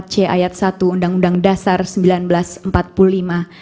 kedua mahkamah konstitusi adalah lembaga yang didesain untuk membuat kesempatan dengan kekuasaan